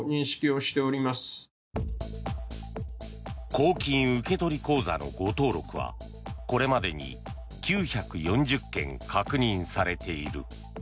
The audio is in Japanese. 公金受取口座の誤登録はこれまでに９４０件確認されている。